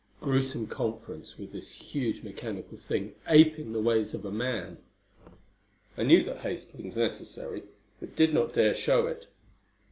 Gruesome conference, with this huge mechanical thing apeing the ways of a man! I knew that haste was necessary, but did not dare show it.